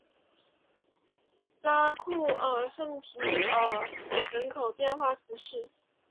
拉库尔圣皮埃尔人口变化图示